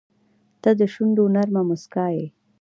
• ته د شونډو نرمه موسکا یې.